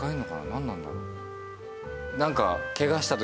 なんなんだろう？